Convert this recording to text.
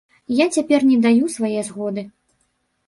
Я цяпер не даю свае згоды.